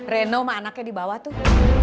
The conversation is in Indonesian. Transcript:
reno sama anaknya di bawah tuh